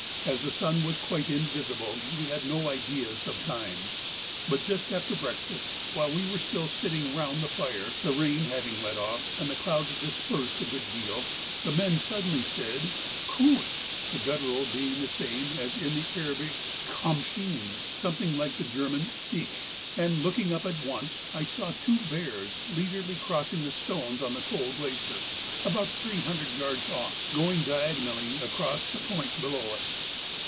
As the sun was quite invisible, we had no ideas of time; but just after breakfast, while we were still sitting round the fire, the rain having left off and the clouds dispersed a good deal, the men suddenly said '(K)hoots' (the guttural being the same as in the Arabic Khamsin—something like the German ich), and looking up at once, I saw two bears leisurely crossing the stones on the Coal Glacier, about three hundred yards off, going diagonally across towards the point below us.